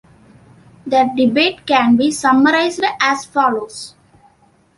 The debate can be summarised as follows.